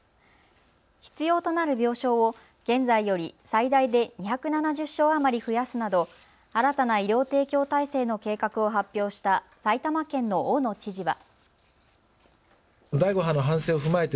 必要となる病床を現在より最大で２７０床余り増やすなど新たな医療提供体制の計画を発表した埼玉県の大野知事は。